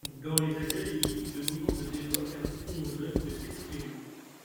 Dans les académies, des moments de débat permettront aux jeunes de s’exprimer.